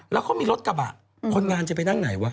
แล้วเขามีรถกระบะคนงานจะไปนั่งไหนวะ